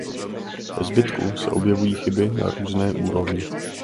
Ve zbytku se objevují chyby na různé úrovni.